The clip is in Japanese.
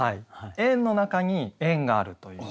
円の中に円があるという。